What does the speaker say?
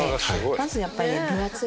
まずやっぱり。